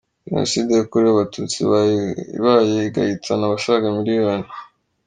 Jenoside yakorewe Abatutsi ibaye igahitana abasaga miliyoni.